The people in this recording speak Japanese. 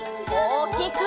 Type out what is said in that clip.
おおきく！